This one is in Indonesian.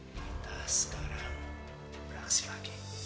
kita sekarang beraksi lagi